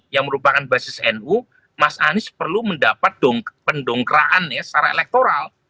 yang merupakan basis nu mas anis perlu mendapat pendongkeraan secara elektoral